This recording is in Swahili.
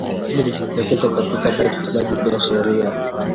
Hili limejitokeza katika beti za shairi